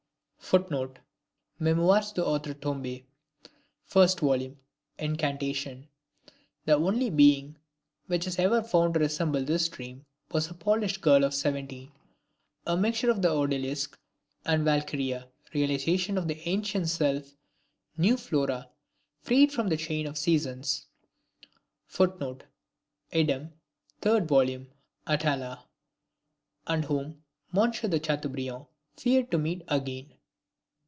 [Footnote: Memoires d'Outre Tombe. 1st vol. Incantation.] The only being which was ever found to resemble this dream, was a Polish girl of seventeen "a mixture of the Odalisque and Valkyria... realization of the ancient sylph new Flora freed from the chain of the seasons" [Footnote: Idem. 3d vol. Atala.] and whom M. de Chateaubriand feared to meet again.